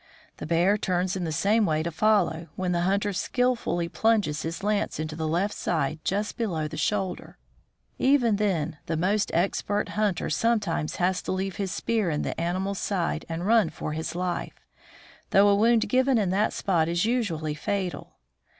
The bear turns in the same way to follow, when the hunter skillfully plunges his lance into the left side just below the shoulder. Even then the most expert hunter sometimes has to leave his spear in the animal's side and run for his life, though a wound given in that spot is usually fatal.